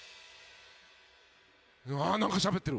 あー何かしゃべってる。